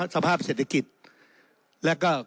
สภาพเศรษฐกิจแล้วก็